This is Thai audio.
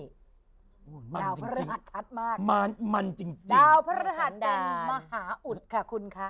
ดาวพระฤหัสชัดมากมันมันจริงดาวพระรหัสดันมหาอุดค่ะคุณคะ